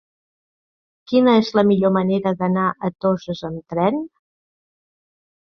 Quina és la millor manera d'anar a Toses amb tren?